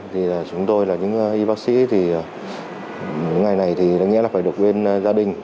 thì chúng tôi là những y bác sĩ thì những ngày này thì đáng nhẽ là phải được quên gia đình